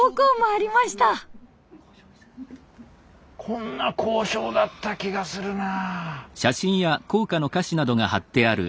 こんな校章だった気がするな。